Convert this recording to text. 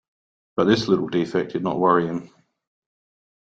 But this little defect did not worry him.